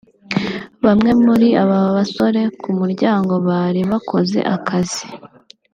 Bamwe muri aba basore Ku muryango bari bakoze akazi